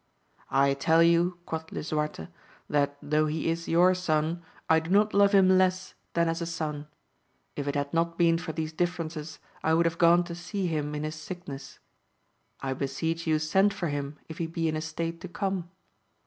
I tell you, quoth Lisuarte, that though he is your son, I do not love him less than as a son ; if it had not been for these differences, I would have gone to see him in his sickness. I beseech you send for him, if he be in a state to come.